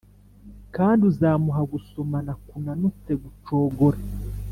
kandi uzamuha gusomana kunanutse, gucogora